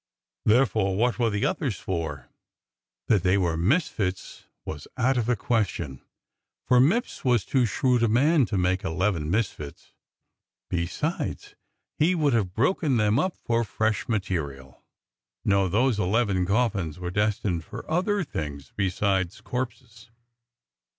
Therefore, what were the others for.^^ That they were misfits was out of the question, for Mipps was too shrewd a man to make eleven misfits; besides, he would have broken them up for fresh material. No, those eleven coffins were destined for other things besides corpses.